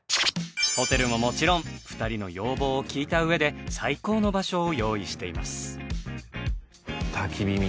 ホテルももちろん２人の要望を聞いた上で最高の場所を用意しています。